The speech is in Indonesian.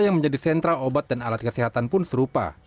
yang menjadi sentra obat dan alat kesehatan pun serupa